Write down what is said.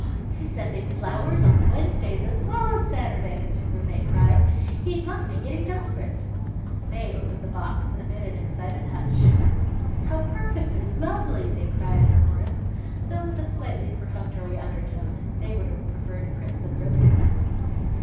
"He's sending flowers on Wednesdays as well as Saturdays!" her room mate cried. "He must be getting desperate." Mae opened the box amid an excited hush. "How perfectly lovely!" they cried in chorus, though with a slightly perfunctory undertone. They would have preferred crimson roses.